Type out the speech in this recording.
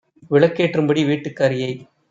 விளக்கேற் றும்படி வீட்டுக் காரியை